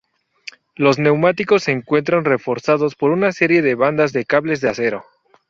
Los neumáticos se encuentran reforzados por una serie de bandas de cables de acero.